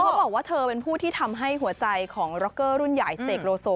บอกว่าเธอเป็นผู้ที่ทำให้หัวใจของร็อกเกอร์รุ่นใหญ่เสกโลโซ